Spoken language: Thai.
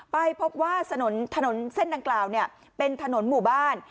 ไปพบว่าถนนเส้นดังกล่าวเป็นถนนหมู่บ้าน